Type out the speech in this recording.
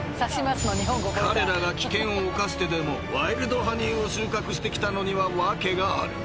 ［彼らが危険を冒してでもワイルドハニーを収穫してきたのには訳がある］